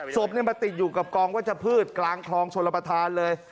ศพเนี่ยมาติดอยู่กับกองว่าจะพืชกลางคลองชนประธานเลย